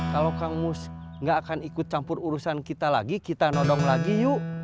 kalau kang mus nggak akan ikut campur urusan kita lagi kita nodong lagi yuk